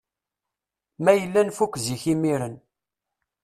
Ma yella nfuk zik imiren.